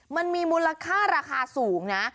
มันมีมูลค่าราคาสูงนะ